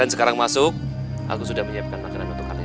dan sekarang masuk aku sudah menyiapkan makanan untuk kalian